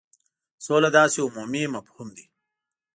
سوله داسي عمومي مفهوم دی.